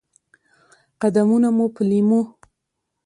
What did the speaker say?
قدمونه مو په لېمو،